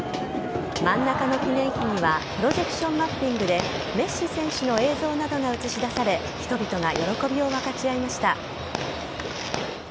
真ん中の記念碑には、プロジェクションマッピングで、メッシ選手の映像などが映し出され、人々が喜びを分かち合いました。